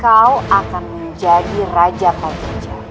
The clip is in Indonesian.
kau akan menjadi raja pajajar